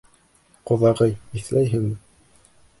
Ҡоҙағый, иҫләйһеңме?